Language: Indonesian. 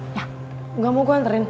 engga mau gue anterin